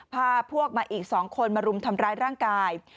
พาพวกมาอีก๒คนมารุมทำร้ายร่างกาย